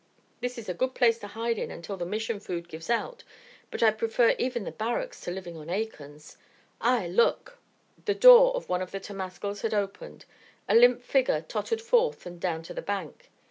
"This is a good place to hide in until the Mission food gives out; but I'd prefer even the barracks to living on acorns Ay, look!" The door of one of the temascals had opened. A limp figure tottered forth and down to the bank.